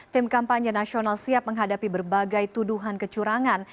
tim kampanye nasional siap menghadapi berbagai tuduhan kecurangan